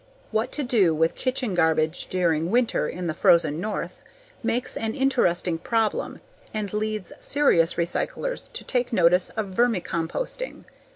What to do with kitchen garbage during winter in the frozen North makes an interesting problem and leads serious recyclers to take notice of vermicomposting.